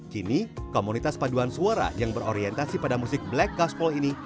kini komunitas paduan suara yang berorientasi pada musik black gosful ini